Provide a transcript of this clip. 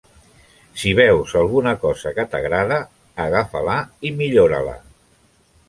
Si veus alguna cosa que t'agrada, agafa-la i millora-la.